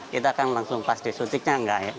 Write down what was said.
kita kan langsung pas disutiknya nggak ya